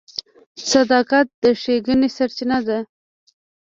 • صداقت د ښېګڼې سرچینه ده.